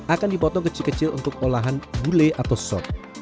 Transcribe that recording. akan dipotong kecil kecil untuk olahan gulai atau sop